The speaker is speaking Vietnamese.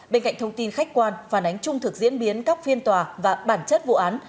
bên cạnh thông tin khách quan phản ánh trung thực diễn biến các phiên tòa và bản chất vụ án